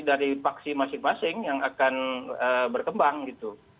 jadi dari vaksi masing masing yang akan berkembang gitu